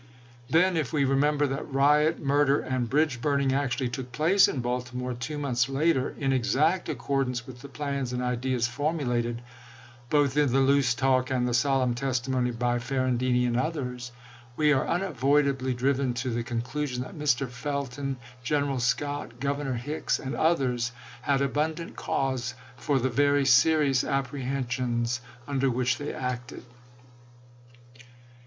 Then, if we remember that not, 133 7. murder, and bridge burning actually took place in Baltimore two months later, in exact accordance with the plans and ideas formulated, both in the loose talk and the solemn testimony by Ferrandini and others, we are unavoidably driven to the con clusion that Mr. Felton, General Scott, Governor Hicks, and others had abundant cause for the very serious apprehensions under which they acted.